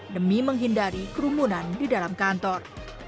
demi menghindari kerumunan di dalam kantor